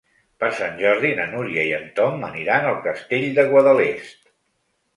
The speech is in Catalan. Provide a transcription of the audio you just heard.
Per Sant Jordi na Núria i en Tom aniran al Castell de Guadalest.